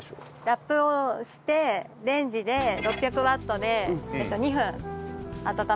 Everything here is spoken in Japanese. ラップをしてレンジで６００ワットで２分温めてください。